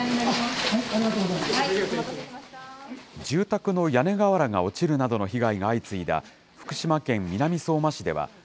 住宅の屋根瓦が落ちるなどの被害が相次いだ、福島県南相馬市。